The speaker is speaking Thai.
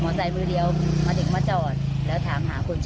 คนร้ายอยู่ข้างบ้านเท่าบ้าน